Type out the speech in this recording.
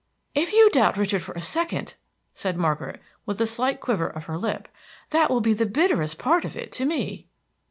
"If you doubt Richard for a second," said Margaret, with a slight quiver of her lip, "that will be the bitterest part of it to me."